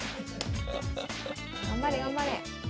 頑張れ頑張れ。